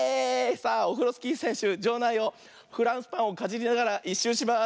さあオフロスキーせんしゅじょうないをフランスパンをかじりながら１しゅうします。